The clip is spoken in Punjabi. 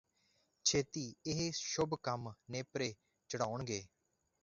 ਛੇਤੀ ਇਹ ਸ਼ੁਭ ਕੰਮ ਨੇਪਰੇ ਚੜਾਉਣਗੇ